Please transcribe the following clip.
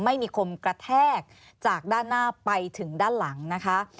ไม่มีคมกระแทกจากด้านหน้าไปถึงด้านหลังนะคะ